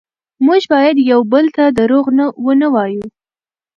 موږ باید یو بل ته دروغ ونه وایو